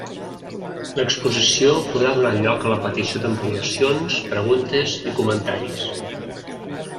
L'exposició podrà donar lloc a la petició d'ampliacions, preguntes i comentaris.